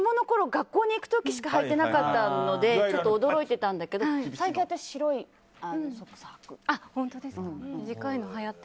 学校に行く時しかはいてなかったのでちょっと驚いてたんだけど最近、私、白いソックスはく。